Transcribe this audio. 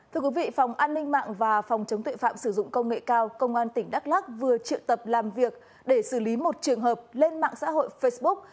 thưa quý vị phòng an ninh mạng và phòng chống tuệ phạm sử dụng công nghệ cao công an tỉnh đắk lắc vừa triệu tập làm việc để xử lý một trường hợp lên mạng xã hội facebook